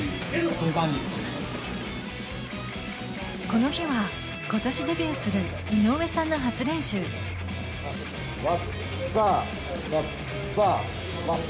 この日は今年デビューする井上さんの初練習わっさわっさわっさ。